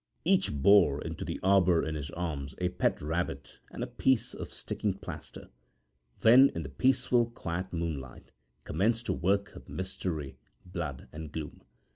Each bore into the arbour in his arms a pet rabbit and a piece of sticking plaster. Then, in the peaceful, quiet moonlight, commenced a work of mystery, blood, and gloom.